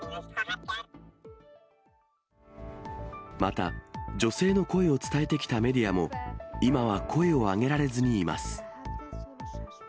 また、女性の声を伝えてきたメディアも、今は声を上げられずにいます。